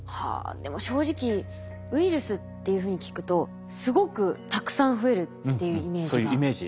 でも正直ウイルスっていうふうに聞くとすごくたくさん増えるっていうイメージが。